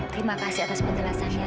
terima kasih atas penjelasannya